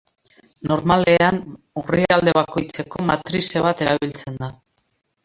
Normalean, orrialde bakoitzeko matrize bat erabiltzen da.